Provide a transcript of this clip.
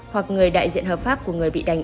hoặc người đại diện hợp pháp của người bị đánh